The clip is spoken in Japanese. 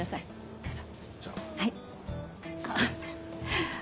どうぞ。